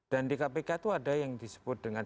dan di kpk itu ada yang disebut dengan